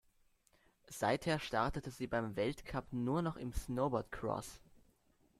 Seither startete sie beim Weltcup nur noch im Snowboardcross.